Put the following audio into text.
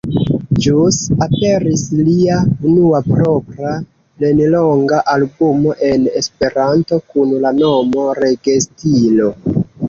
Ĵus aperis lia unua propra plenlonga albumo en Esperanto kun la nomo Regestilo.